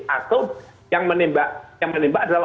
atau yang menembak adalah orang yang dipersidik